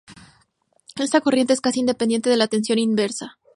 Esta corriente es casi independiente de la tensión inversa.